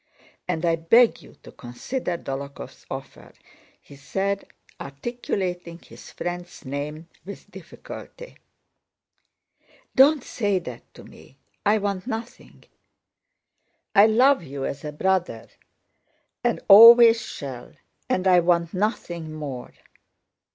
And I beg you to consider Dólokhov's offer," he said, articulating his friend's name with difficulty. "Don't say that to me! I want nothing. I love you as a brother and always shall, and I want nothing more."